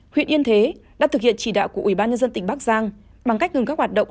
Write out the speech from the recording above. huyện yên thế đã thực hiện chỉ đạo của ubnd tỉnh bắc giang bằng cách ngừng các hoạt động